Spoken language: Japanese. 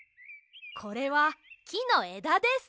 これはきのえだです。